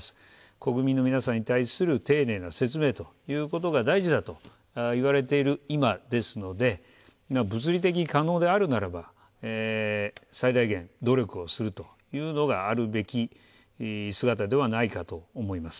国民の皆さんに対する丁寧な説明ということが大事だといわれている今ですので物理的に可能であるならば最大限、努力するのがあるべき姿ではないかと思います。